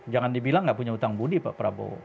jangan dibilang nggak punya hutang budi pak prabowo